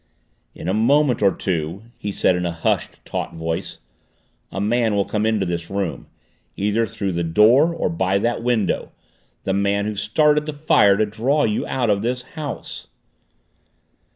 "In a moment or two," he said in a hushed, taut voice, "a man will come into this room, either through the door or by that window the man who started the fire to draw you out of this house."